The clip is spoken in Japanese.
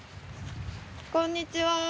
こんにちは。